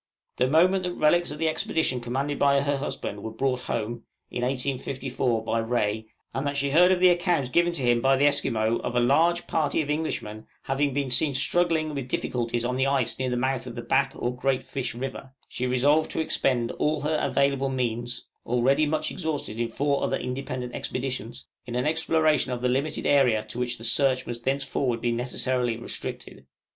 The moment that relics of the expedition commanded by her husband were brought home (in 1854) by Rae, and that she heard of the account given to him by the Esquimaux of a large party of Englishmen having been seen struggling with difficulties on the ice near the mouth of the Back or Great Fish River, she resolved to expend all her available means (already much exhausted in four other independent expeditions) in an exploration of the limited area to which the search must thenceforward be necessarily restricted.